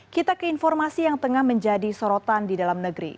kita ke informasi yang tengah menjadi sorotan di dalam negeri